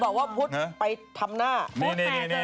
บอกว่าพุทธไปทำหน้า